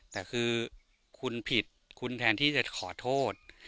แต่คือคุณผิดคุณแทนที่จะขอโทษ